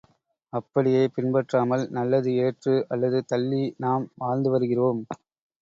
அப்படியே பின்பற்றாமல் நல்லது ஏற்று அல்லது தள்ளி நாம் வாழ்ந்து வருகிறோம்.